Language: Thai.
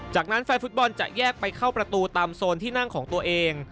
จากนั้นแฟนฟุตบอลจะแยกไปเข้าประตูตามโซนที่นั่งของตัวเอง